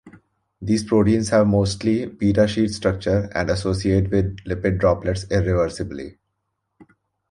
These proteins have mostly beta-sheet structure and associate with lipid droplets irreversibly.